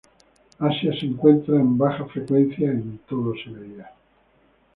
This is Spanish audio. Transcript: Asia: Se encuentra en bajas frecuencias en todo Siberia.